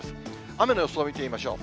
雨の予想を見てみましょう。